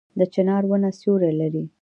د چنار ونه سیوری لري